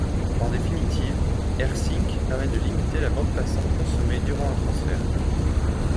En définitive, Rsync permet de limiter la bande passante consommée durant un transfert.